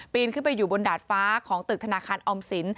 ขึ้นไปอยู่บนดาดฟ้าของตึกธนาคารออมสิน